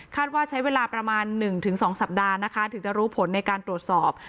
ว่าใช้เวลาประมาณ๑๒สัปดาห์นะคะถึงจะรู้ผลในการตรวจสอบ